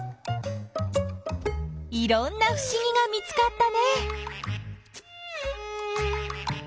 いろんなふしぎが見つかったね！